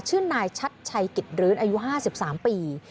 ชื่อนายชัดชัยกิจรื้นอายุ๕๓ปี